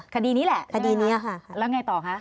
คดีนี้แหละคดีนี้ค่ะแล้วไงต่อคะ